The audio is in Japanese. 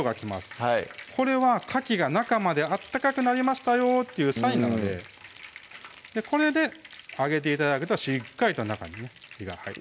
はいこれはかきが中まで温かくなりましたよっていうサインなのでこれで揚げて頂くとしっかりと中にね火が入る